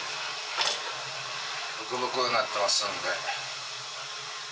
ブクブクになってますんで。